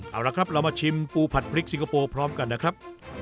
เอาละครับเรามาชิมปูผัดพริกสิงคโปร์พร้อมกันนะครับ